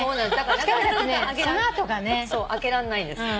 １人だとねその後がね。開けらんないんです。